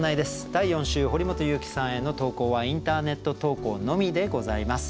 第４週堀本裕樹さんへの投稿はインターネット投稿のみでございます。